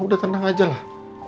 udah tenang aja lah